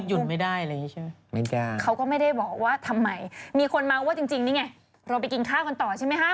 แต่จะขอแก้ข่าวว่ากล้าวนี่คือกล้าวนะ